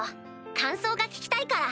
感想が聞きたいから。